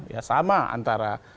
ya sama antara